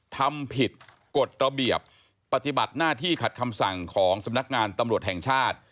ทำผิดกฎระเบียบปฏิบัติหน้าที่ขัดคำสั่งของสำนักงานตำรวจแห่งชาติ